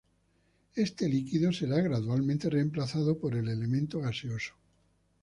Este líquido será gradualmente remplazado por el elemento gaseoso.